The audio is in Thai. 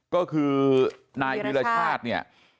ก็คือนายวีรชาติเนี่ย